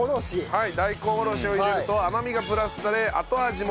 はい。